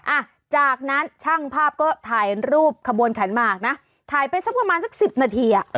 อ่ะจากนั้นช่างภาพก็ถ่ายรูปขบวนขันหมากนะถ่ายไปสักประมาณสักสิบนาทีอ่ะ